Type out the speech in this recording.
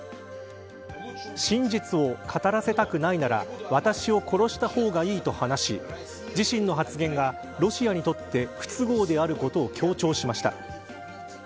真実を語らせたくないなら私を殺した方がいいと話し自身の発言がロシアにとって不都合であることを強調しました。